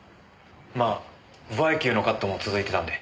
まあ歩合給のカットも続いてたんで。